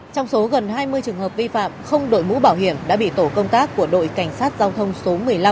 trong số gần hai mươi trường hợp vi phạm không đội mũ bảo hiểm đã bị tổ công tác của đội cảnh sát giao thông số một mươi năm